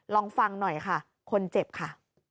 ลองฟังหน่อยค่ะคนเจ็บค่ะ